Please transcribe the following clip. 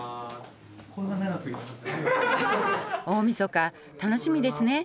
大みそか楽しみですね。